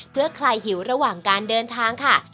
เพื่อคลายหิวระหว่างการเดินทางค่ะ